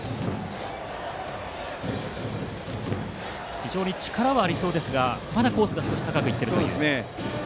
非常に力はありそうですがまだコースが少し高くなってます。